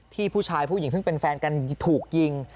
ผู้ชายผู้หญิงซึ่งเป็นแฟนกันถูกยิง